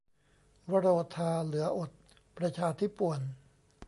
วโรทาห์ เหลืออด ประชาธิป่วน